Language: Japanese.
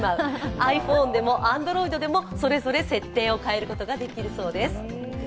ｉＰｈｏｎｅでもＡｎｄｒｏｉｄでも、それぞれ設定を変えることができるそうです。